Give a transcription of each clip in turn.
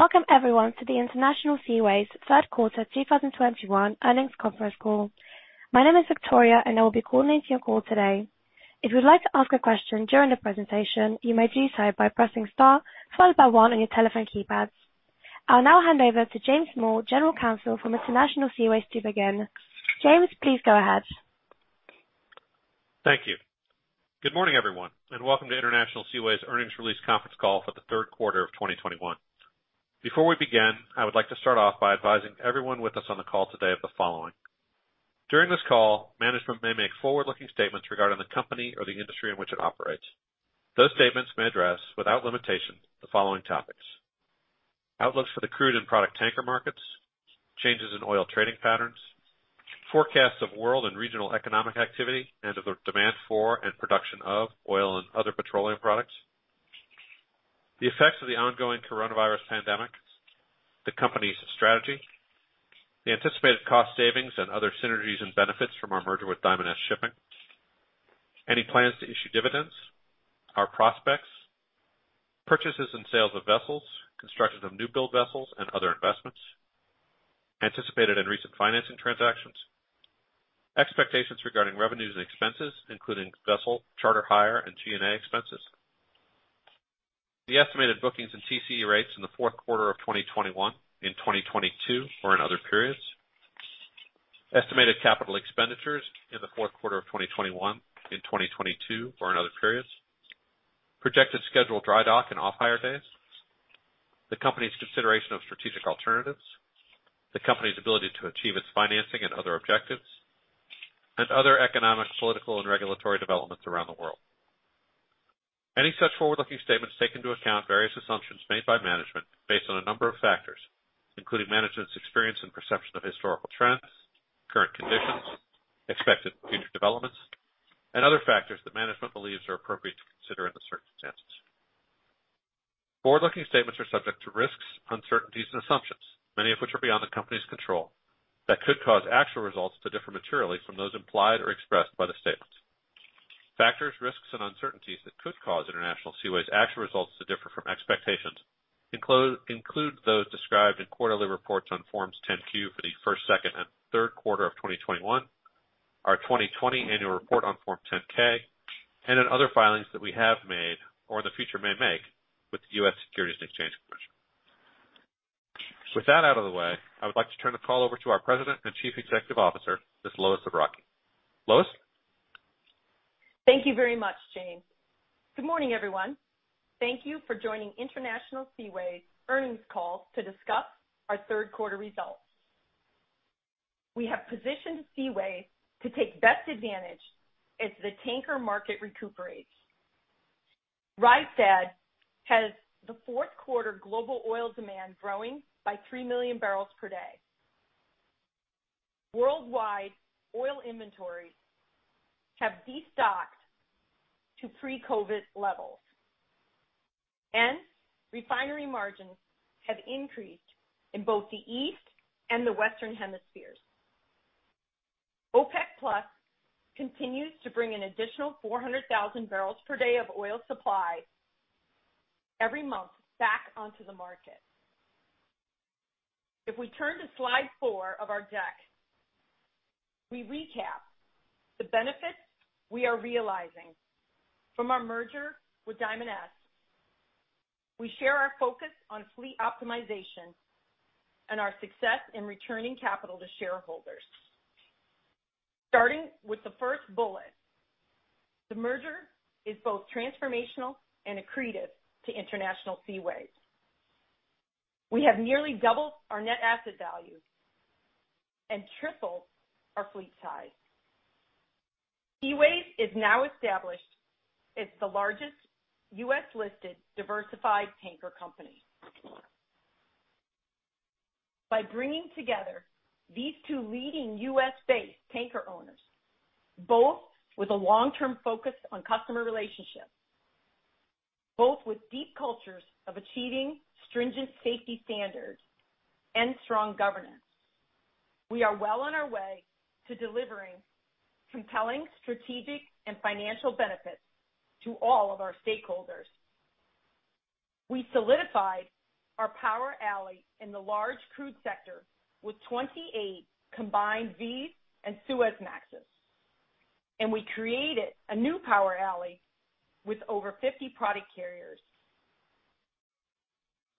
Welcome everyone to the International Seaways Q3 2021 earnings conference call. My name is Victoria and I will be coordinating your call today. If you would like to ask a question during the presentation, you may do so by pressing Star followed by one on your telephone keypads. I'll now hand over to James Small, General Counsel from International Seaways, to begin. James, please go ahead. Thank you. Good morning, everyone, and welcome to International Seaways earnings release conference call for the Q3 of 2021. Before we begin, I would like to start off by advising everyone with us on the call today of the following. During this call, management may make forward-looking statements regarding the company or the industry in which it operates. Those statements may address, without limitation, the following topics: Outlook for the crude and product tanker markets, changes in oil trading patterns, forecasts of world and regional economic activity and of the demand for and production of oil and other petroleum products, the effects of the ongoing coronavirus pandemic, the company's strategy, the anticipated cost savings and other synergies and benefits from our merger with Diamond S Shipping, any plans to issue dividends, our prospects, purchases and sales of vessels, construction of new build vessels and other investments, anticipated and recent financing transactions, expectations regarding revenues and expenses, including vessel charter hire and G&A expenses. The estimated bookings and TCE rates in the Q4 of 2021, in 2022 or in other periods, estimated capital expenditures in the Q4 of 2021, in 2022 or in other periods, projected scheduled dry dock and off-hire days, the company's consideration of strategic alternatives, the company's ability to achieve its financing and other objectives, and other economic, political, and regulatory developments around the world. Any such forward-looking statements take into account various assumptions made by management based on a number of factors, including management's experience and perception of historical trends, current conditions, expected future developments, and other factors that management believes are appropriate to consider in the circumstances. Forward-looking statements are subject to risks, uncertainties, and assumptions, many of which are beyond the company's control, that could cause actual results to differ materially from those implied or expressed by the statements. Factors, risks, and uncertainties that could cause International Seaways' actual results to differ from expectations include those described in quarterly reports on Forms 10-Q for the first, second, and Q3 of 2021, our 2020 annual report on Form 10-K, and in other filings that we have made or in the future may make with the U.S. Securities and Exchange Commission. With that out of the way, I would like to turn the call over to our President and Chief Executive Officer, Ms. Lois Zabrocky. Lois? Thank you very much, James. Good morning, everyone. Thank you for joining International Seaways earnings call to discuss our Q3 results. We have positioned Seaways to take best advantage as the tanker market recuperates. Rystad has the Q4 global oil demand growing by three million barrels per day. Worldwide oil inventories have destocked to pre-COVID levels, and refinery margins have increased in both the east and the western hemispheres. OPEC+ continues to bring an additional 400,000 barrels per day of oil supply every month back onto the market. If we turn to slide four of our deck, we recap the benefits we are realizing from our merger with Diamond S. We share our focus on fleet optimization and our success in returning capital to shareholders. Starting with the first bullet, the merger is both transformational and accretive to International Seaways. We have nearly doubled our net asset value and tripled our fleet size. Seaways is now established as the largest U.S.-listed diversified tanker company. By bringing together these two leading U.S.-based tanker owners, both with a long-term focus on customer relationships, both with deep cultures of achieving stringent safety standards and strong governance, we are well on our way to delivering compelling strategic and financial benefits to all of our stakeholders. We solidified our power alley in the large crude sector with 28 combined Vs and Suezmaxes, and we created a new power alley with over 50 product carriers.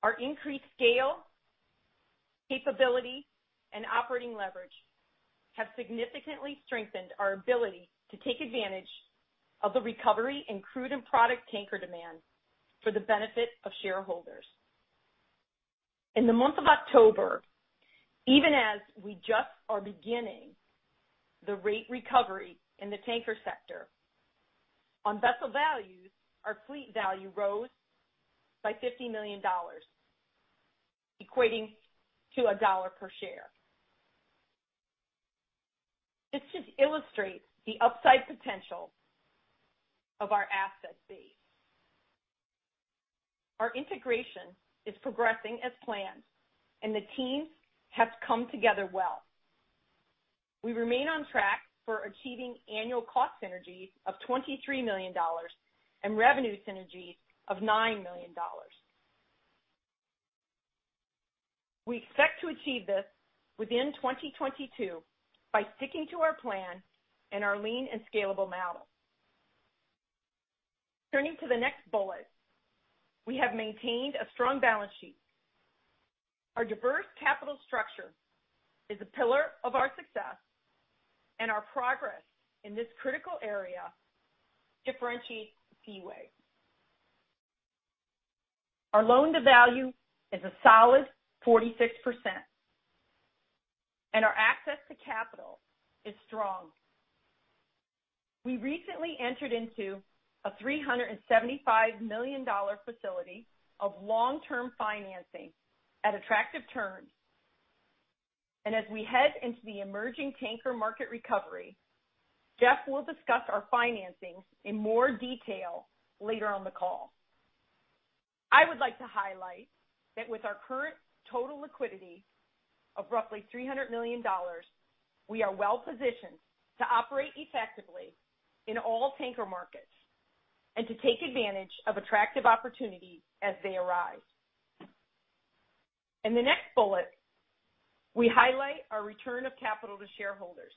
Our increased scale, capability, and operating leverage have significantly strengthened our ability to take advantage of the recovery in crude and product tanker demand for the benefit of shareholders. In the month of October, even as we just are beginning the rate recovery in the tanker sector, on vessel values, our fleet value rose by $50 million, equating to $1 per share. This just illustrates the upside potential of our asset base. Our integration is progressing as planned and the teams have come together well. We remain on track for achieving annual cost synergies of $23 million and revenue synergies of $9 million. We expect to achieve this within 2022 by sticking to our plan and our lean and scalable model. Turning to the next bullet, we have maintained a strong balance sheet. Our diverse capital structure is a pillar of our success, and our progress in this critical area differentiates Seaways. Our loan-to-value is a solid 46%, and our access to capital is strong. We recently entered into a $375 million facility of long-term financing at attractive terms. And as we head into the emerging tanker market recovery, Jeff will discuss our financing in more detail later on the call. I would like to highlight that with our current total liquidity of roughly $300 million, we are well-positioned to operate effectively in all tanker markets and to take advantage of attractive opportunities as they arise. In the next bullet, we highlight our return of capital to shareholders.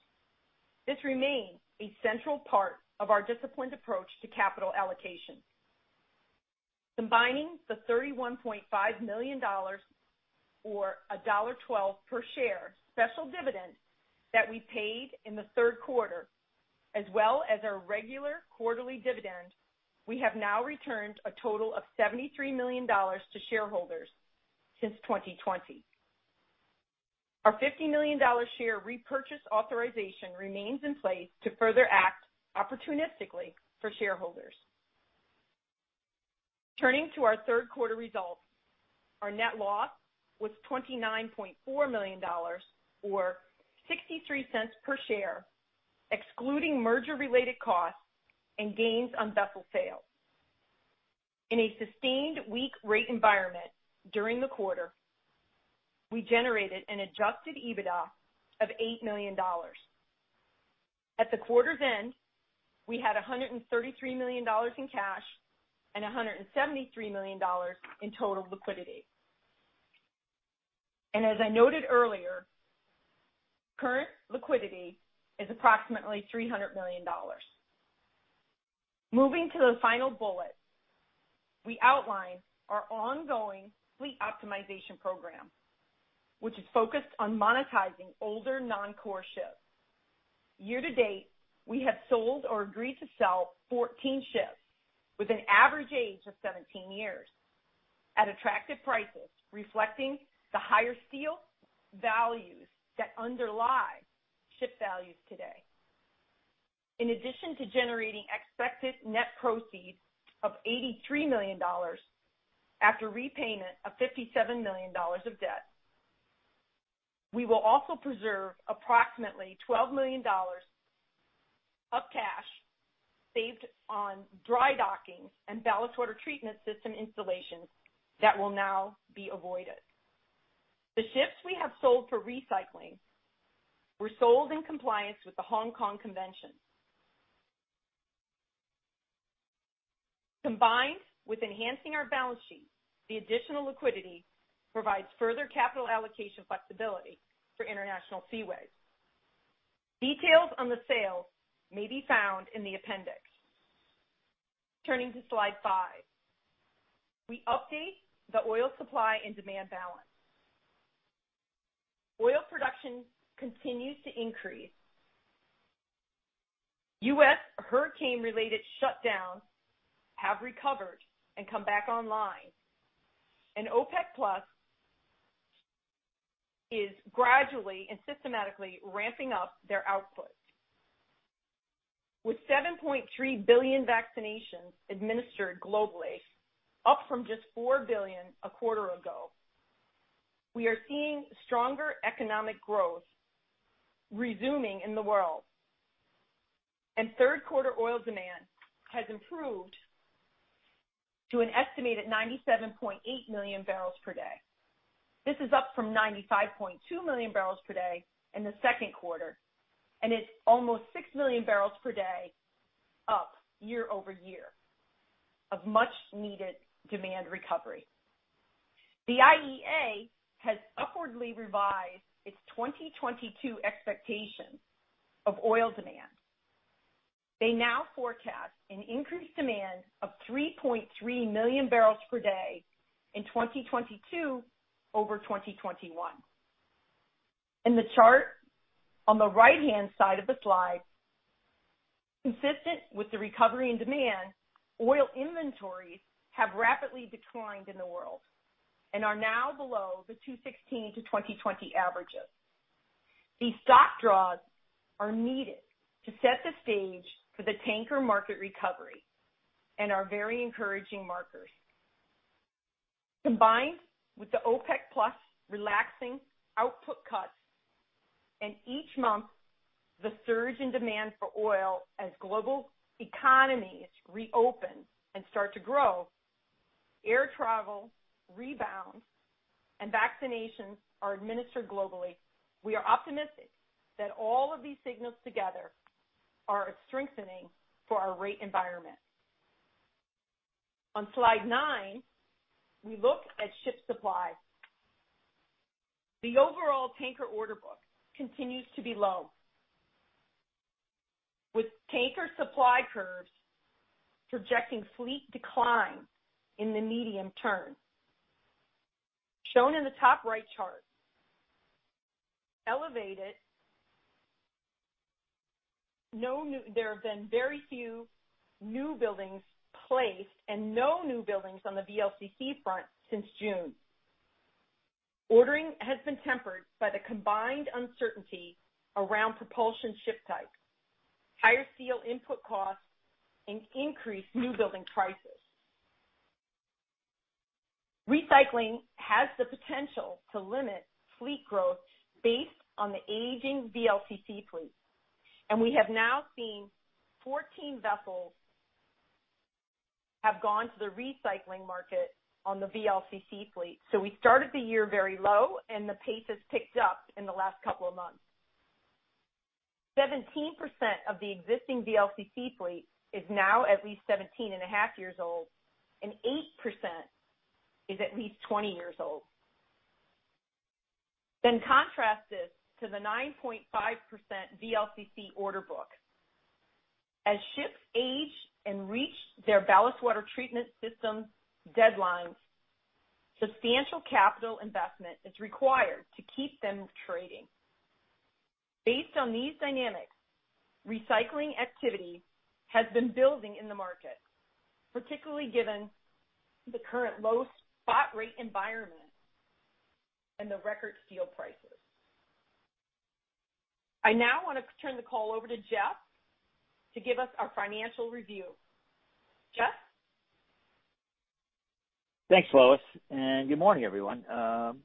This remains a central part of our disciplined approach to capital allocation. Combining the $31.5 million or $1.12 per share special dividend that we paid in the Q3, as well as our regular quarterly dividend, we have now returned a total of $73 million to shareholders since 2020. Our $50 million share repurchase authorization remains in place to further act opportunistically for shareholders. Turning to our Q3 results, our net loss was $29.4 million or $0.63 per share, excluding merger-related costs and gains on vessel sales. In a sustained weak rate environment during the quarter, we generated an adjusted EBITDA of $8 million. At the quarter's end, we had $133 million in cash and $173 million in total liquidity. And as I noted earlier, current liquidity is approximately $300 million. Moving to the final bullet, we outline our ongoing fleet optimization program, which is focused on monetizing older non-core ships. Year-to-date, we have sold or agreed to sell 14 ships with an average age of 17 years at attractive prices, reflecting the higher steel values that underlie ship values today. In addition to generating expected net proceeds of $83 million after repayment of $57 million of debt, we will also preserve approximately $12 million of cash saved on dry docking and ballast water treatment system installations that will now be avoided. The ships we have sold for recycling were sold in compliance with the Hong Kong Convention. Combined with enhancing our balance sheet, the additional liquidity provides further capital allocation flexibility for International Seaways. Details on the sale may be found in the appendix. Turning to slide five. We update the oil supply and demand balance. Oil production continues to increase. U.S. hurricane-related shutdowns have recovered and come back online, and OPEC+ is gradually and systematically ramping up their output. With 7.3 billion vaccinations administered globally, up from just four billion a quarter ago, we are seeing stronger economic growth resuming in the world. And Q3 oil demand has improved to an estimated 97.8 million barrels per day. This is up from 95.2 million barrels per day in the Q2, and it's almost six million barrels per day up year-over-year of much-needed demand recovery. The IEA has upwardly revised its 2022 expectation of oil demand. They now forecast an increased demand of 3.3 million barrels per day in 2022 over 2021. In the chart on the right-hand side of the slide, consistent with the recovery in demand, oil inventories have rapidly declined in the world and are now below the 2016-2020 averages. These stock draws are needed to set the stage for the tanker market recovery and are very encouraging markers. Combined with the OPEC+ relaxing output cuts and each month, the surge in demand for oil as global economies reopen and start to grow. Air travel rebounds and vaccinations are administered globally. We are optimistic that all of these signals together are strengthening for our rate environment. On slide nine, we look at ship supply. The overall tanker order book continues to be low, with tanker supply curves projecting fleet decline in the medium term. Shown in the top right chart, there have been very few new buildings placed and no new buildings on the VLCC front since June. Ordering has been tempered by the combined uncertainty around propulsion ship types, higher steel input costs, and increased new building prices. Recycling has the potential to limit fleet growth based on the aging VLCC fleet, and we have now seen 14 vessels have gone to the recycling market on the VLCC fleet. So we started the year very low and the pace has picked up in the last couple of months. 17% of the existing VLCC fleet is now at least 17.5 years old, and 8% is at least 20 years old. Contrast this to the 9.5% VLCC order book. As ships age and reach their ballast water treatment system deadlines, substantial capital investment is required to keep them trading. Based on these dynamics, recycling activity has been building in the market, particularly given the current low spot rate environment and the record steel prices. I now wanna turn the call over to Jeff to give us our financial review. Jeff? Thanks, Lois, and good morning, everyone.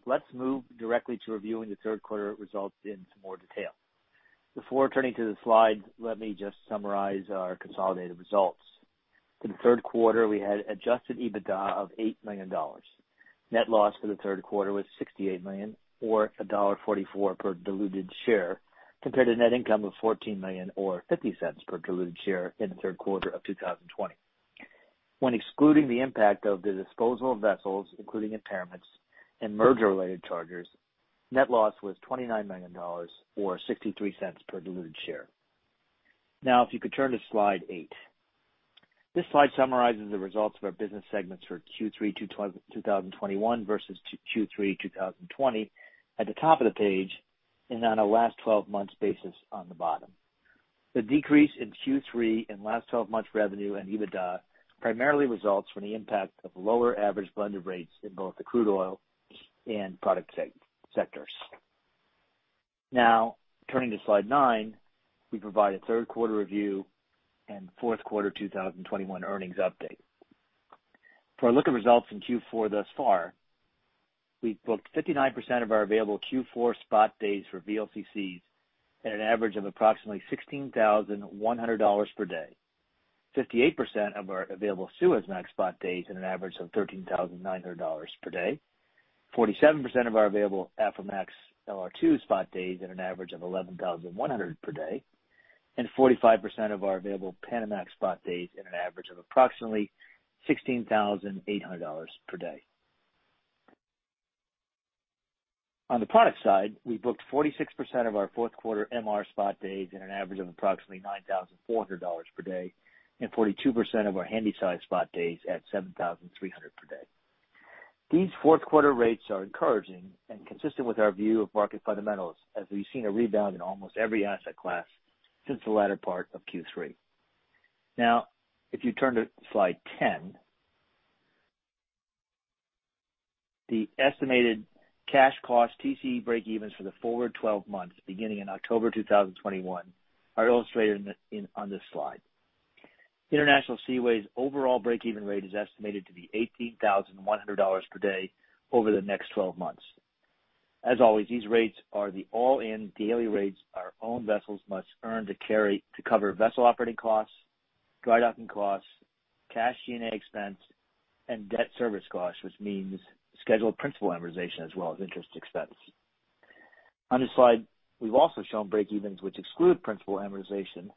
Let's move directly to reviewing the Q3 results in some more detail. Before turning to the slides, let me just summarize our consolidated results. For the Q3, we had adjusted EBITDA of $8 million. Net loss for the Q3 was $68 million or $1.44 per diluted share, compared to net income of $14 million or $0.50 per diluted share in the Q3 of 2020. When excluding the impact of the disposal of vessels, including impairments and merger-related charges, net loss was $29 million or $0.63 per diluted share. Now, if you could turn to slide eight. This slide summarizes the results of our business segments for Q3 2021 versus Q3 2020 at the top of the page and on a last twelve months basis on the bottom. The decrease in Q3 and last twelve months revenue and EBITDA primarily results from the impact of lower average blended rates in both the crude oil and product sectors. Now, turning to slide nine, we provide a Q3 review and Q4 2021 earnings update. For a look at results in Q4 thus far, we've booked 59% of our available Q4 spot days for VLCCs at an average of approximately $16,100 per day, 58% of our available Suezmax spot days at an average of $13,900 per day, 47% of our available Aframax LR2 spot days at an average of $11,100 per day, and 45% of our available Panamax spot days at an average of approximately $16,800 per day. On the product side, we booked 46% of our Q4 MR spot days at an average of approximately $9,400 per day, and 42% of our Handysize spot days at $7,300 per day. These Q4 rates are encouraging and consistent with our view of market fundamentals as we've seen a rebound in almost every asset class since the latter part of Q3. Now, if you turn to slide 10. The estimated cash cost TCE breakevens for the forward 12 months beginning in October 2021 are illustrated on this slide. International Seaways overall breakeven rate is estimated to be $18,100 per day over the next 12 months. As always, these rates are the all-in daily rates our own vessels must earn to carry to cover vessel operating costs, dry docking costs, cash G&A expense, and debt service costs, which means scheduled principal amortization as well as interest expense. On this slide, we've also shown breakevens which exclude principal amortization.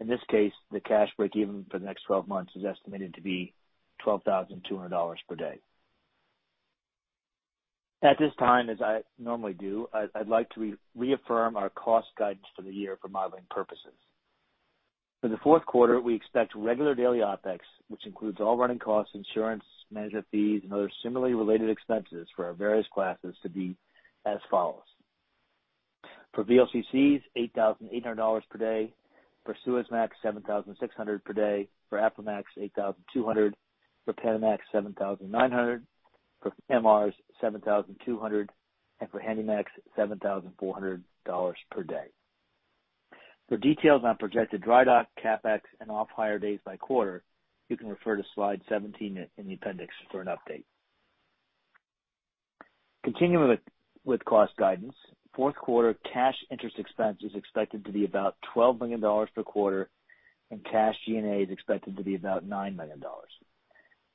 In this case, the cash breakeven for the next twelve months is estimated to be $12,200 per day. At this time, as I normally do, I'd like to reaffirm our cost guidance for the year for modeling purposes. For the Q4, we expect regular daily OpEx, which includes all running costs, insurance, management fees, and other similarly related expenses for our various classes to be as follows. For VLCCs, $8,800 per day; for Suezmax, $7,600 per day; for Aframax, $8,200; for Panamax, $7,900; for MRs, $7,200; and for Handymax, $7,400 per day. For details on projected dry dock, CapEx, and off-hire days by quarter, you can refer to slide seventeen in the appendix for an update. Continuing with cost guidance. Q4 cash interest expense is expected to be about $12 million per quarter, and cash G&A is expected to be about $9 million.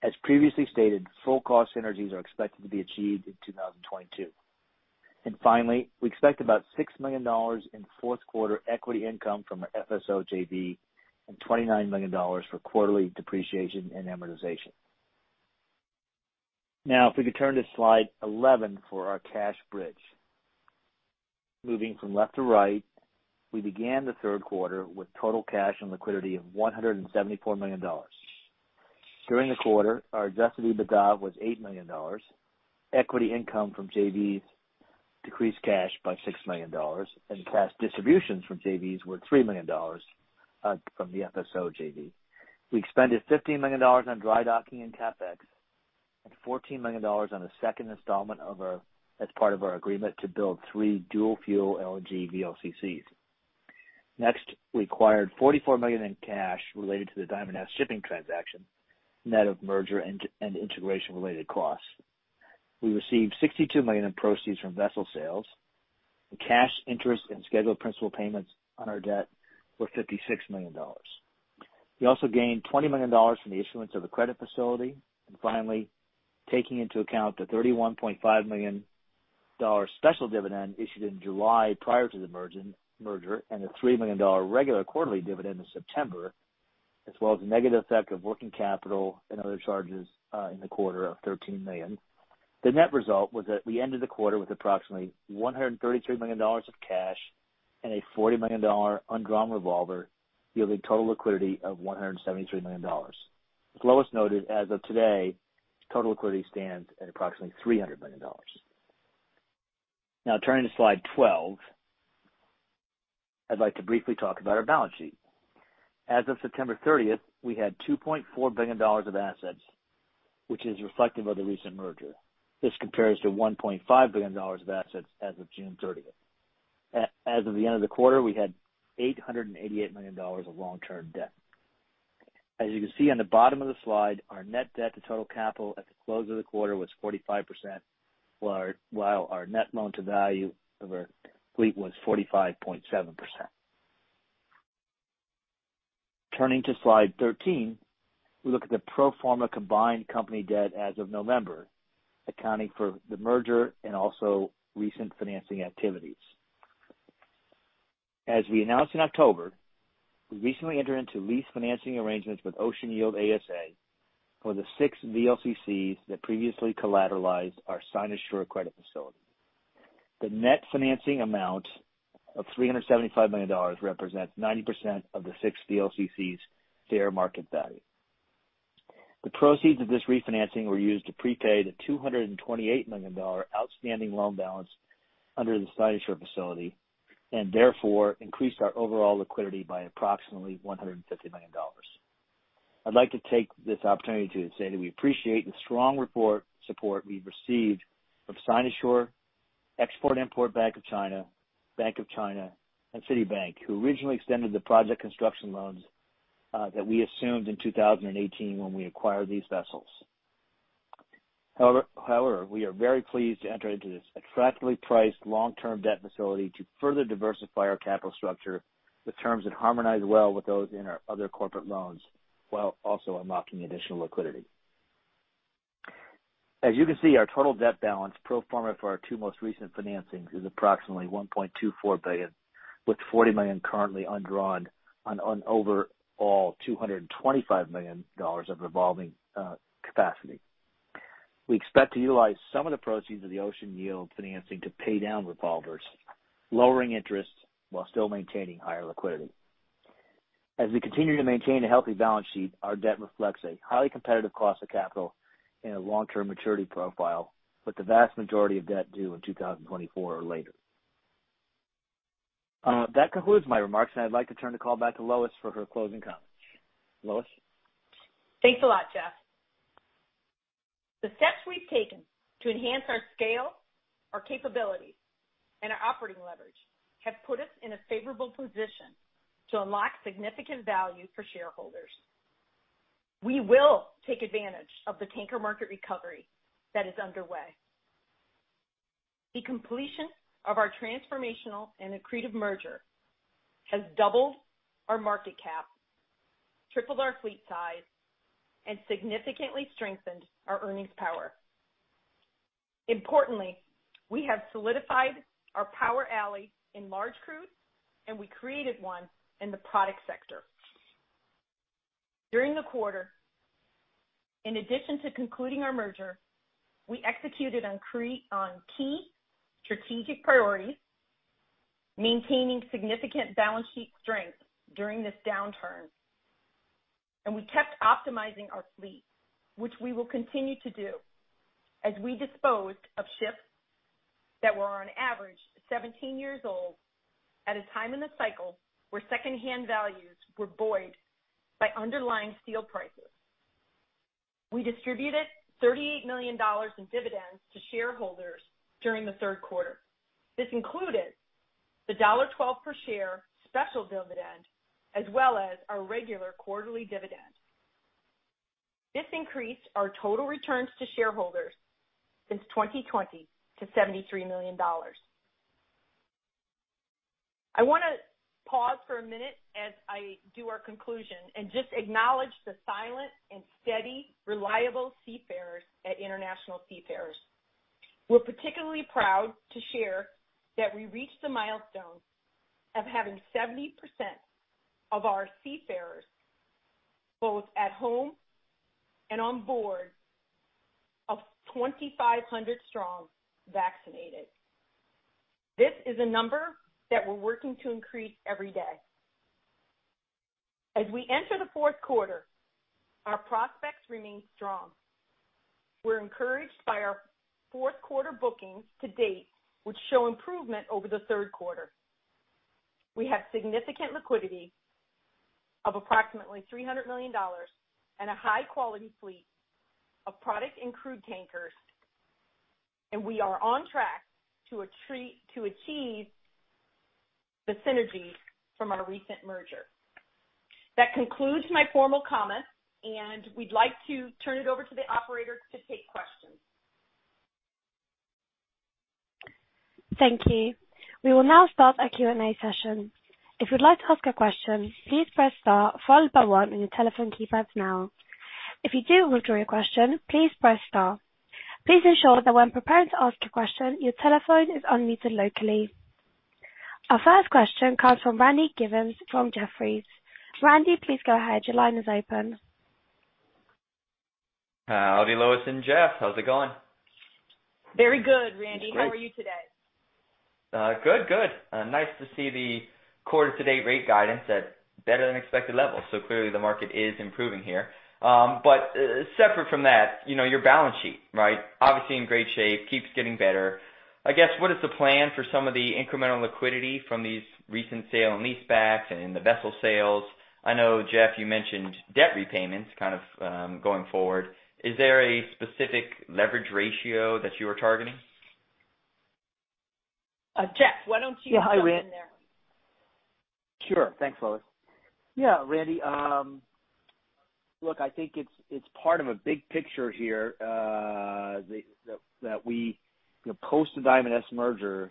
As previously stated, full cost synergies are expected to be achieved in 2022. And finally, we expect about $6 million in Q4 equity income from our FSO JV and $29 million for quarterly depreciation and amortization. Now, if we could turn to slide 11 for our cash bridge. Moving from left to right, we began the Q3 with total cash and liquidity of $174 million. During the quarter, our adjusted EBITDA was $8 million. Equity income from JVs decreased cash by $6 million, and cash distributions from JVs were $3 million from the FSO JV. We expended $15 million on dry docking and CapEx and $14 million on the second installment of our, as part of our agreement to build three dual-fuel LNG VLCCs. Next, we acquired $44 million in cash related to the Diamond S Shipping transaction, net of merger and integration-related costs. We received $62 million in proceeds from vessel sales, and cash interest and scheduled principal payments on our debt were $56 million. We also gained $20 million from the issuance of a credit facility. Finally, taking into account the $31.5 million special dividend issued in July prior to the merger and the $3 million regular quarterly dividend in September, as well as the negative effect of working capital and other charges in the quarter of $13 million. The net result was that we ended the quarter with approximately $133 million of cash and a $40 million undrawn revolver, yielding total liquidity of $173 million. As Lois noted, as of today, total liquidity stands at approximately $300 million. Now turning to slide 12, I'd like to briefly talk about our balance sheet. As of September 30, we had $2.4 billion of assets, which is reflective of the recent merger. This compares to $1.5 billion of assets as of June 30. As of the end of the quarter, we had $888 million of long-term debt. As you can see on the bottom of the slide, our net debt to total capital at the close of the quarter was 45%, while our net loan to value of our fleet was 45.7%. Turning to slide 13, we look at the pro forma combined company debt as of November, accounting for the merger and also recent financing activities. As we announced in October, we recently entered into lease financing arrangements with Ocean Yield ASA for the six VLCCs that previously collateralized our Sinosure credit facility. The net financing amount of $375 million represents 90% of the six VLCCs' fair market value. The proceeds of this refinancing were used to prepay the $228 million outstanding loan balance under the Sinosure facility, and therefore increased our overall liquidity by approximately $150 million. I'd like to take this opportunity to say that we appreciate the strong report-support we've received from Sinosure, Export-Import Bank of China, Bank of China, and Citibank, who originally extended the project construction loans that we assumed in 2018 when we acquired these vessels. However, we are very pleased to enter into this attractively priced long-term debt facility to further diversify our capital structure with terms that harmonize well with those in our other corporate loans, while also unlocking additional liquidity. As you can see, our total debt balance pro forma for our two most recent financings is approximately $1.24 billion, with $40 million currently undrawn on an overall $225 million of revolving capacity. We expect to utilize some of the proceeds of the Ocean Yield financing to pay down revolvers, lowering interest while still maintaining higher liquidity. As we continue to maintain a healthy balance sheet, our debt reflects a highly competitive cost of capital and a long-term maturity profile with the vast majority of debt due in 2024 or later. That concludes my remarks, and I'd like to turn the call back to Lois for her closing comments. Lois? Thanks a lot, Jeff. The steps we've taken to enhance our scale, our capabilities, and our operating leverage have put us in a favorable position to unlock significant value for shareholders. We will take advantage of the tanker market recovery that is underway. The completion of our transformational and accretive merger has doubled our market cap, tripled our fleet size, and significantly strengthened our earnings power. Importantly, we have solidified our power alley in large crude, and we created one in the product sector. During the quarter, in addition to concluding our merger, we executed on key strategic priorities, maintaining significant balance sheet strength during this downturn. And we kept optimizing our fleet, which we will continue to do as we disposed of ships that were on average 17 years old at a time in the cycle where secondhand values were buoyed by underlying steel prices. We distributed $38 million in dividends to shareholders during the Q3. This included the $1.12 per share special dividend, as well as our regular quarterly dividend. This increased our total returns to shareholders since 2020 to $73 million. I wanna pause for a minute as I do our conclusion and just acknowledge the silent and steady, reliable seafarers at International Seaways. We're particularly proud to share that we reached the milestone of having 70% of our seafarers, both at home and on board, of 2,500 strong vaccinated. This is a number that we're working to increase every day. As we enter the Q4, our prospects remain strong. We're encouraged by our fourth-quarter bookings to date, which show improvement over the Q3. We have significant liquidity of approximately $300 million and a high-quality fleet of product and crude tankers, and we are on track to achieve the synergies from our recent merger. That concludes my formal comments, and we'd like to turn it over to the operator to take questions. Thank you. We will now start our Q&A session. If you'd like to ask a question, please press star followed by one in your telephone keypad now. If you do withdraw your question, please press star. Please ensure that when preparing to ask a question, your telephone is unmuted locally. Our first question comes from Randy Giveans from Jefferies. Randy, please go ahead. Your line is open. Howdy, Lois and Jeff. How's it going? Very good, Randy. Great. How are you today? Good, good. Nice to see the quarter-to-date rate guidance at better-than-expected levels. So clearly the market is improving here. But separate from that, you know, your balance sheet, right? Obviously in great shape, keeps getting better. I guess, what is the plan for some of the incremental liquidity from these recent sale and leasebacks and the vessel sales? I know, Jeff, you mentioned debt repayments kind of going forward. Is there a specific leverage ratio that you were targeting? Jeff, why don't you- Yeah, hi, Randy. Jump in there. Sure. Thanks, Lois. Yeah, Randy, look, I think it's part of a big picture here, that we, you know, post the Diamond S merger.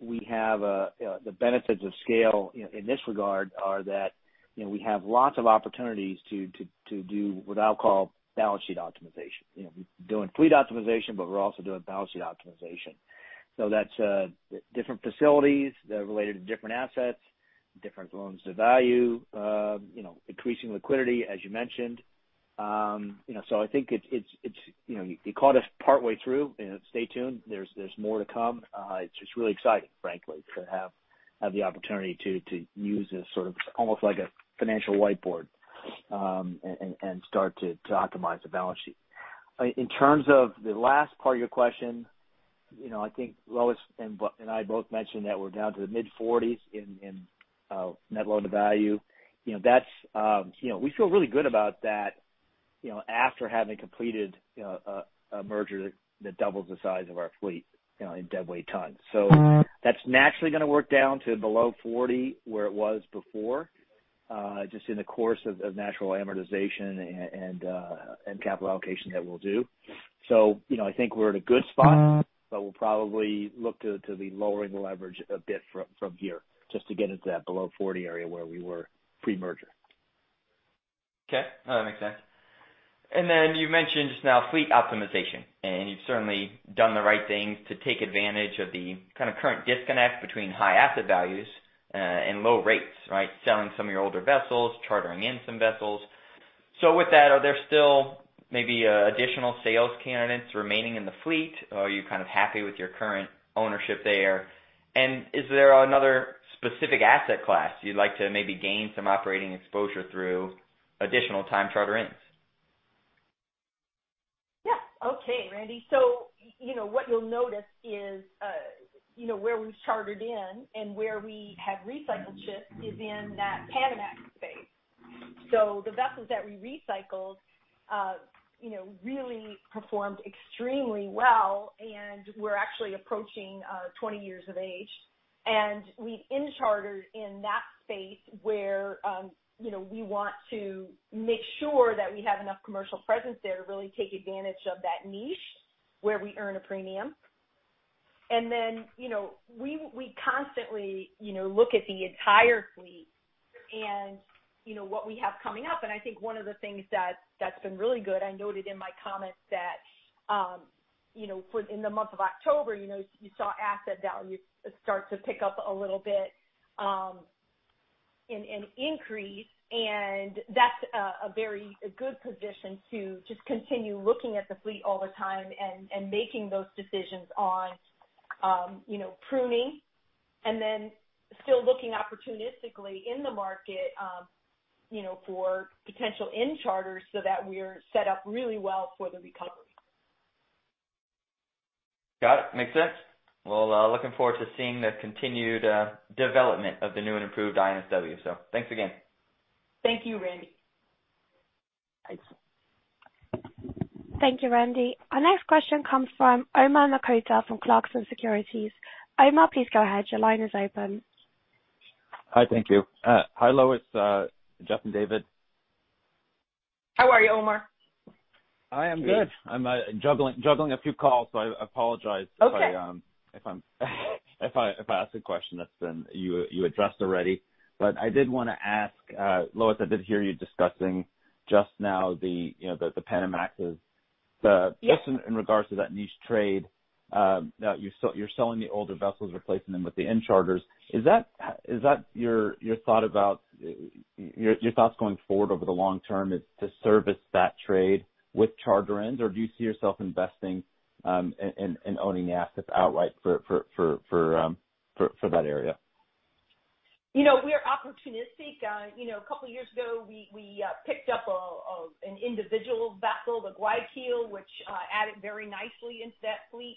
We have the benefits of scale in this regard are that, you know, we have lots of opportunities to do what I'll call balance sheet optimization. You know, we're doing fleet optimization, but we're also doing balance sheet optimization. So that's different facilities that are related to different assets, different loans to value, you know, increasing liquidity, as you mentioned. You know, so I think it's, it's, you know, you caught us partway through and stay tuned. There's more to come. It's just really exciting, frankly, to have the opportunity to use this sort of almost like a financial whiteboard, and start to optimize the balance sheet. In terms of the last part of your question, you know, I think Lois and I both mentioned that we're down to the mid-40s in, in net loan to value. You know, that's, you know, we feel really good about that, you know, after having completed, you know, a merger that doubles the size of our fleet, you know, in deadweight tons. So that's naturally gonna work down to below 40 where it was before, just in the course of natural amortization and capital allocation that we'll do. So, you know, I think we're at a good spot, but we'll probably look to be lowering the leverage a bit from here just to get into that below 40 area where we were pre-merger. Okay. No, that makes sense. And then you mentioned just now fleet optimization, and you've certainly done the right thing to take advantage of the kind of current disconnect between high asset values, and low rates, right? Selling some of your older vessels, chartering in some vessels. With that, are there still maybe, additional sales candidates remaining in the fleet? Are you kind of happy with your current ownership there? And is there another specific asset class you'd like to maybe gain some operating exposure through additional time charter ins? Yeah. Okay, Randy. So, you know, what you'll notice is, you know, where we've chartered in and where we have recycled ships is in that Panamax space. So the vessels that we recycled, you know, really performed extremely well and were actually approaching 20 years of age. And we have chartered in that space where, you know, we want to make sure that we have enough commercial presence there to really take advantage of that niche where we earn a premium. And then you know, we constantly, you know, look at the entire fleet and, you know, what we have coming up. And I think one of the things that's been really good. I noted in my comments that, you know, in the month of October, you know, you saw asset value start to pick up a little bit, in an increase. And that's a very good position to just continue looking at the fleet all the time and making those decisions on, you know, pruning and then still looking opportunistically in the market, you know, for potential in charters so that we're set up really well for the recovery. Got it. Makes sense. Well, looking forward to seeing the continued development of the new and improved INSW. Thanks again. Thank you, Randy. Thanks. Thank you, Randy. Our next question comes from Omar Nokta from Clarksons Securities. Omar, please go ahead. Your line is open. Hi. Thank you. Hi, Lois, Jeff, and David. How are you, Omar? I am good. I'm juggling a few calls, so I apologize. Okay. If I, If I ask a question that's been addressed already. I did wanna ask, Lois, I did hear you discussing just now the, you know, the Panamaxes, the- Yeah. Just in regards to that niche trade, now you're selling the older vessels, replacing them with the in-charters. Is that your thoughts going forward over the long term to service that trade with charters, or do you see yourself investing and owning assets outright for that area? You know, we are opportunistic. You know, a couple years ago, we, we picked up an individual vessel, the Guayaquil, which added very nicely into that fleet.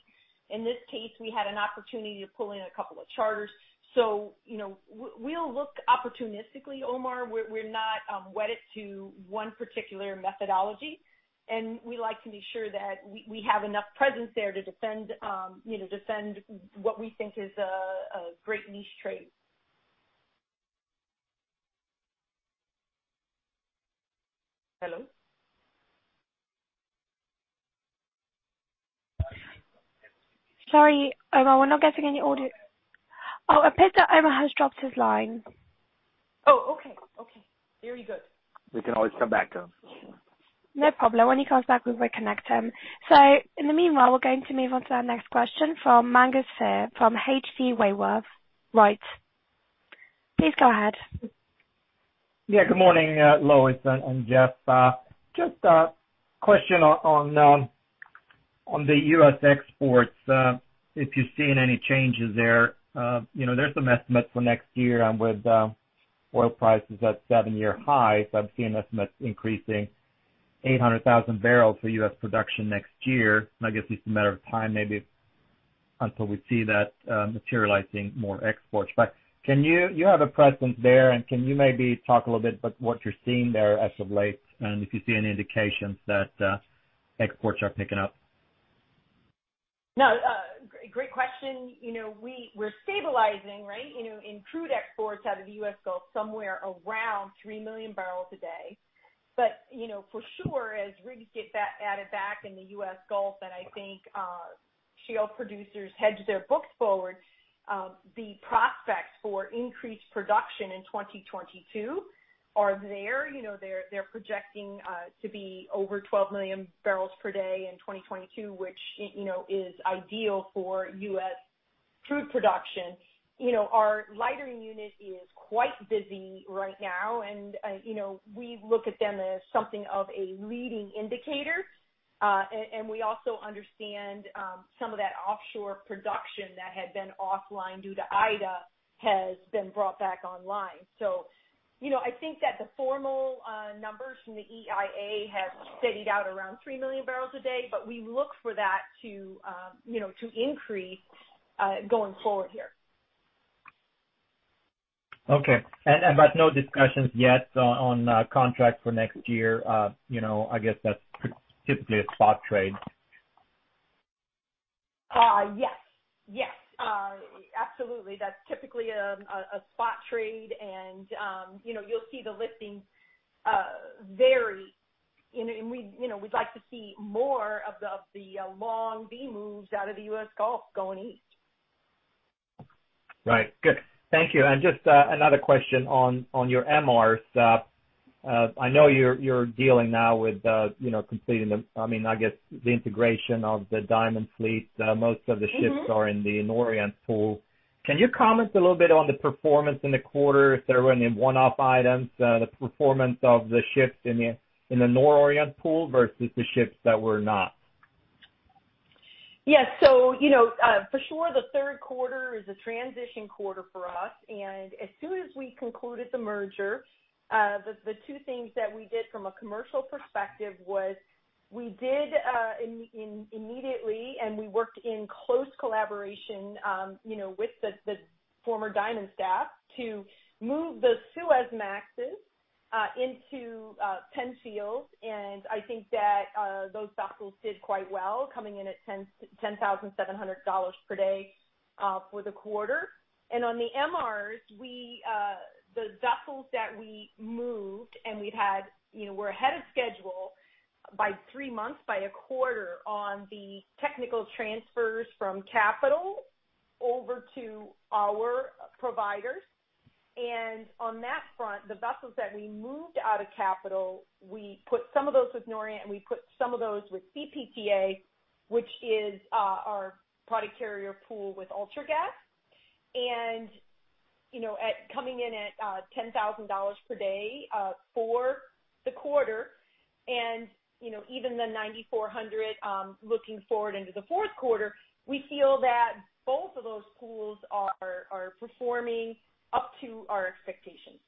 In this case, we had an opportunity to pull in a couple of charters. So, you know, we'll look opportunistically, Omar. We're not wedded to one particular methodology, and we like to be sure that we have enough presence there to defend what we think is a great niche trade. Hello? Sorry, Omar, we're not getting any audio. Oh, I pity that Omar has dropped his line. Oh, okay. Very good. We can always come back to him. No problem. When he comes back, we'll reconnect him. In the meanwhile, we're going to move on to our next question from Magnus Fyhr from H.C. Wainwright. Right. Please go ahead. Yeah. Good morning, Lois and Jeff. Just a question on the U.S. exports, if you're seeing any changes there. You know, there's some estimates for next year on with oil prices at seven-year highs. I'm seeing estimates increasing 800,000 barrels for U.S. production next year, and I guess it's a matter of time maybe until we see that materializing more exports. But can you? You have a presence there, and can you maybe talk a little bit about what you're seeing there as of late, and if you see any indications that exports are picking up? No. Great question. You know, we're stabilizing, right? You know, in crude exports out of the U.S. Gulf, somewhere around three million barrels a day. But, you know, for sure, as rigs get added back in the U.S. Gulf, and I think, shale producers hedge their books forward, the prospects for increased production in 2022 are there. You know, they're projecting to be over 12 million barrels per day in 2022, which, you know, is ideal for U.S. crude production. You know, our lightering unit is quite busy right now, and, you know, we look at them as something of a leading indicator. And we also understand, some of that offshore production that had been offline due to Ida has been brought back online. So, you know, I think that the formal numbers from the EIA have steadied out around three million barrels a day, but we look for that to, you know, increase going forward here. Okay. But, no discussions yet on contract for next year? You know, I guess that's typically a spot trade. Yes, yes. Absolutely. That's typically a spot trade and, you know, you'll see the listings vary and we, you know, we'd like to see more of the long V moves out of the U.S. Gulf going east. Right. Good. Thank you. Just another question on your MRs. I know you're dealing now with you know completing the I mean I guess the integration of the Diamond fleet. Most of the ships Mm-hmm. Are in the Norient Pool. Can you comment a little bit on the performance in the quarter if there were any one-off items, the performance of the ships in the Norient pool versus the ships that were not? Yes. You know, for sure the Q3 is a transition quarter for us. And as soon as we concluded the merger, the two things that we did from a commercial perspective was we did immediately, and we worked in close collaboration, you know, with the former Diamond staff to move the Suezmaxes into Penfield. And I think that those vessels did quite well, coming in at $10,700 per day for the quarter. And on the MRs, the vessels that we moved and we've had, you know, we're ahead of schedule by three months by a quarter on the technical transfers from capital over to our providers. And on that front, the vessels that we moved out of Capital, we put some of those with Norient, and we put some of those with CPTA, which is our product carrier pool with Ultragas. And, you know, coming in at $10,000 per day for the quarter, and you know, even the $9,400, looking forward into the Q4, we feel that both of those pools are performing up to our expectations.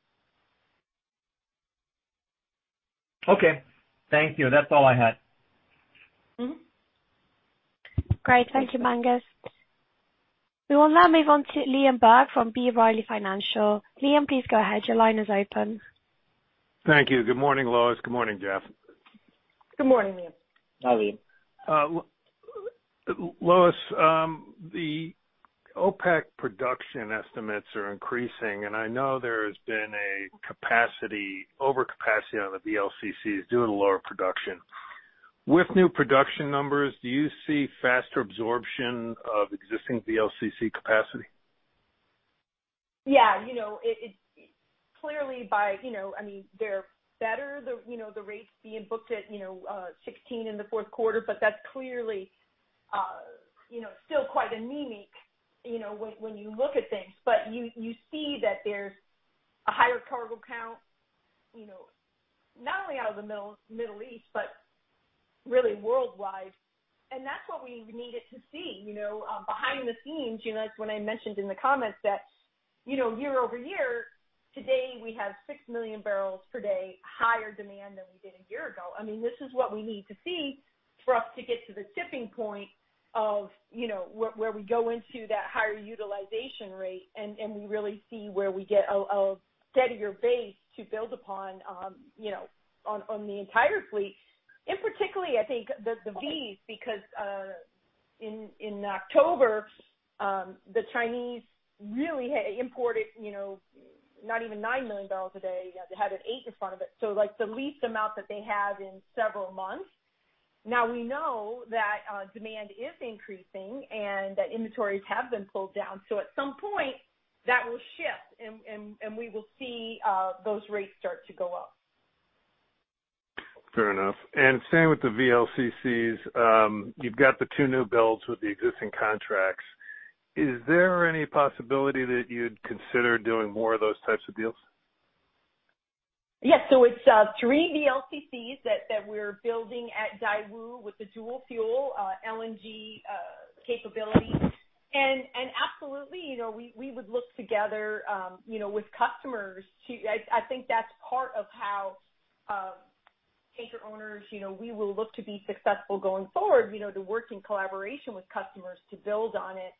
Okay. Thank you. That's all I had. Mm-hmm. Great. Thank you, Magnus. We will now move on to Liam Burke from B. Riley Financial. Liam, please go ahead. Your line is open. Thank you. Good morning, Lois. Good morning, Jeff. Good morning, Liam. Hi, Liam. Lois, the OPEC production estimates are increasing, and I know there has been overcapacity on the VLCCs due to lower production. With new production numbers, do you see faster absorption of existing VLCC capacity? Yeah. You know, it's clearly, you know. I mean, they're better. You know, the rates being booked at, you know, 16 in the Q4, but that's clearly, you know, still quite anemic, you know, when you look at things. But you see that there's a higher cargo count, you know, not only out of the Middle East, but really worldwide. And that's what we needed to see, you know, behind the scenes, you know, as I mentioned in the comments that, you know, year-over-year, today we have six million barrels per day higher demand than we did a year ago. I mean, this is what we need to see for us to get to the tipping point of, you know, where we go into that higher utilization rate, and we really see where we get a steadier base to build upon, you know, on the entire fleet. In particularly, I think the Vs, because in October, the Chinese really had imported, you know, not even nine million barrels a day. They had an eight in front of it, so, like, the least amount that they had in several months. Now we know that demand is increasing and that inventories have been pulled down, so at some point that will shift and we will see those rates start to go up. Fair enough. Same with the VLCCs. You've got the two new builds with the existing contracts. Is there any possibility that you'd consider doing more of those types of deals? Yes. So it's three VLCCs that we're building at Daewoo with the dual-fuel LNG capability. And absolutely, you know, we would look together, you know, with customers. I think that's part of how tanker owners, you know, we will look to be successful going forward, you know, to work in collaboration with customers to build on it.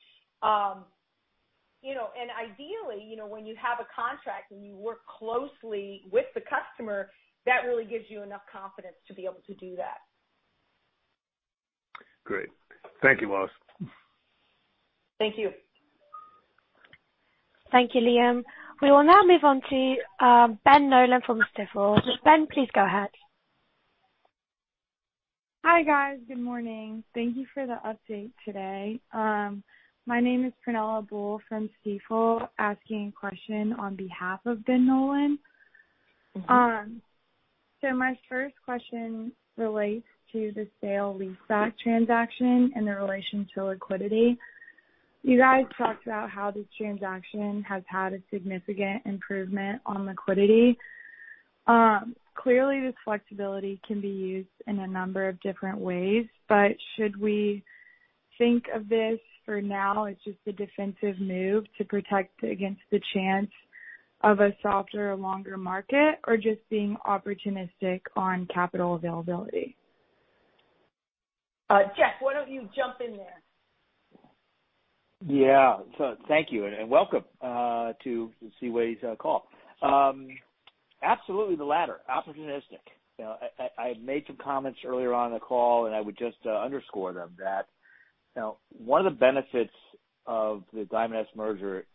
You know, and ideally, you know, when you have a contract and you work closely with the customer, that really gives you enough confidence to be able to do that. Great. Thank you, Lois. Thank you. Thank you, Liam. We will now move on to Ben Nolan from Stifel. Ben, please go ahead. Hi, guys. Good morning. Thank you for the update today. My name is Prunella Bull from Stifel, asking a question on behalf of Ben Nolan. Mm-hmm. So my first question relates to the sale leaseback transaction and the relation to liquidity. You guys talked about how this transaction has had a significant improvement on liquidity. Clearly this flexibility can be used in a number of different ways, but should we think of this for now as just a defensive move to protect against the chance of a softer, longer market or just being opportunistic on capital availability? Jeff, why don't you jump in there? Yeah. Thank you and welcome to Seaways call. Absolutely the latter, opportunistic. You know, I made some comments earlier on the call and I would just underscore them that, you know, one of the benefits of the Diamond S merger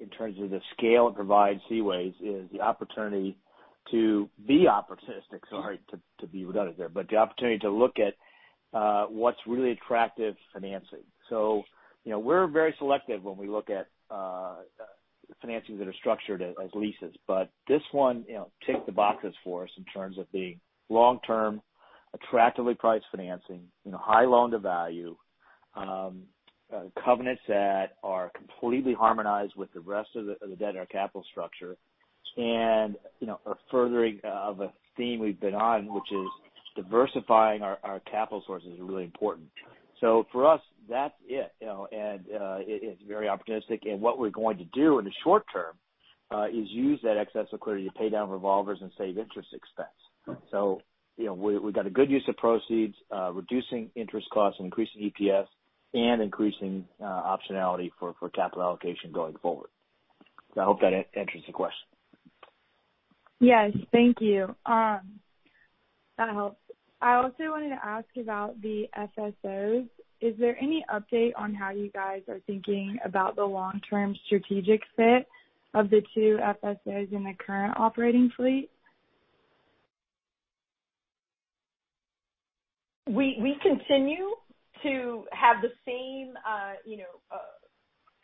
in terms of the scale it provides Seaways is the opportunity to be opportunistic. Sorry to be redundant there, but the opportunity to look at what's really attractive financing. So, you know, we're very selective when we look at financings that are structured as leases. But this one, you know, ticked the boxes for us in terms of being long-term, attractively priced financing, you know, high loan-to-value, covenants that are completely harmonized with the rest of the debt in our capital structure. And you know, a furthering of a theme we've been on, which is diversifying our capital sources is really important. So for us, that's it, you know, and it's very opportunistic. What we're going to do in the short term is use that excess of liquidity to pay down revolvers and save interest expense. So, you know, we've got a good use of proceeds, reducing interest costs and increasing EPS and increasing optionality for capital allocation going forward. I hope that answers the question. Yes. Thank you. That helps. I also wanted to ask about the FSOs. Is there any update on how you guys are thinking about the long-term strategic fit of the two FSOs in the current operating fleet? We, we continue to have the same, you know,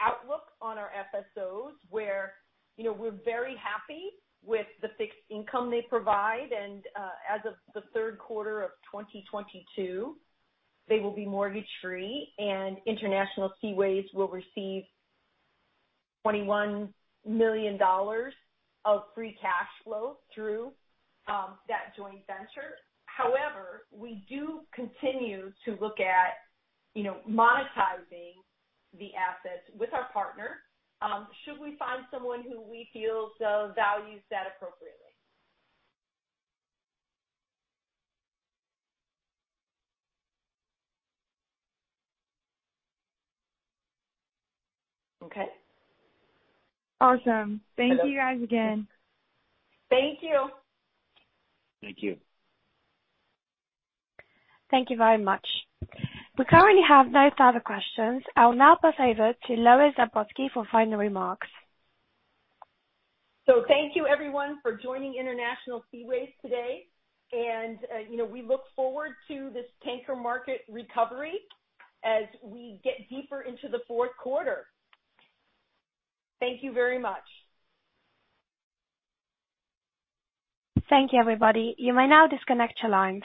outlook on our FSOs, where, you know, we're very happy with the fixed income they provide. And as of the Q3 of 2022, they will be mortgage-free and International Seaways will receive $21 million of free cash flow through that joint venture. However, we do continue to look at, you know, monetizing the assets with our partner, should we find someone who we feel values that appropriately. Okay. Awesome. Thank you guys again. Thank you. Thank you. Thank you very much. We currently have no further questions. I'll now pass over to Lois Zabrocky for final remarks. So thank you everyone for joining International Seaways today. And, you know, we look forward to this tanker market recovery as we get deeper into the Q4. Thank you very much. Thank you, everybody. You may now disconnect your lines.